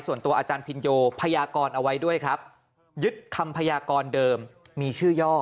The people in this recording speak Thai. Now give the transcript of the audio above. ส่วนตัวอาจารย์พินโยพยากรเอาไว้ด้วยครับยึดคำพยากรเดิมมีชื่อย่อ